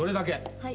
はい。